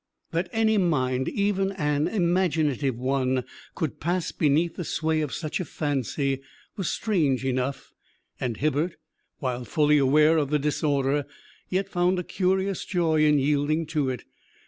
That any mind, even an imaginative one, could pass beneath the sway of such a fancy was strange enough; and Hibbert, while fully aware of the disorder, yet found a curious joy in yielding to it.